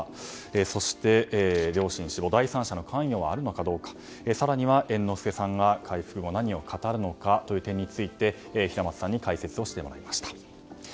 そして、両親死亡第三者の関与はあるのかないのか更には猿之助さんが回復後何を語るのかという点について平松さんに解説してもらいました。